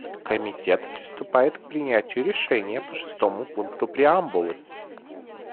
Комитет приступает к принятию решения по шестому пункту преамбулы.